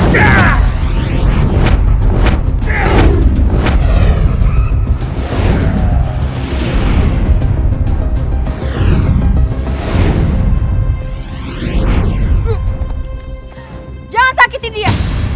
jangan sakiti dia